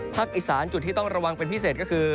อีสานจุดที่ต้องระวังเป็นพิเศษก็คือ